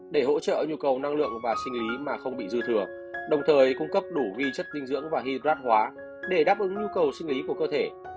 để hỗ trợ nhu cầu năng lượng và sinh lý mà không bị dư thừa đồng thời cung cấp đủ vi chất dinh dưỡng và hybrad hóa để đáp ứng nhu cầu sinh lý của cơ thể